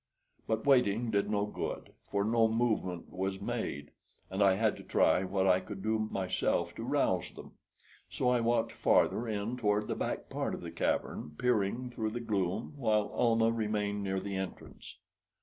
But waiting did no good, for no movement was made, and I had to try what I could do myself to rouse them. So I walked farther in toward the back part of the cavern, peering through the gloom, while Almah remained near the entrance.